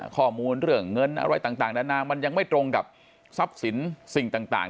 ข้อมูลเรื่องเงินอะไรต่างนานามันยังไม่ตรงกับทรัพย์สินสิ่งต่าง